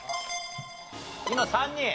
今３人。